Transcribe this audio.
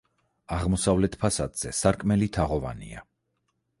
აღმოსავლეთ ფასადზე სარკმელი თაღოვანია.